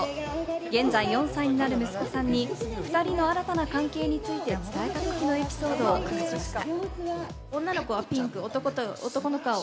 現在４歳になる息子さんに２人の新たな関係について伝えた時のエピソードを明かしました。